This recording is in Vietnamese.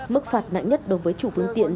mức phạt nặng nhất đối với chủ vương tiện